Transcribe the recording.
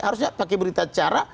harusnya pakai berita cara